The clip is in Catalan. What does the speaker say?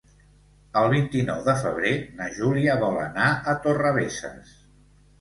El vint-i-nou de febrer na Júlia vol anar a Torrebesses.